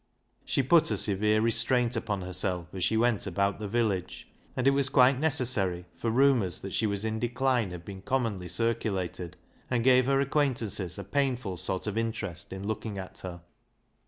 She put a severe restraint upon herself as she went about the village, and 86 BECKSIDE LIGHTS it was quite necessary, for rumours that slie was "in decline" had been commonly circulated, and gave her acquaintances a painful sort of interest in looking at her.